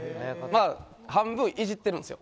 半分いじってるんですよ。